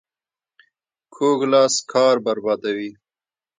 کوږ لاس کار بربادوي